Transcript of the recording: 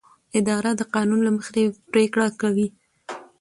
اداره د قانون له مخې پریکړې کوي.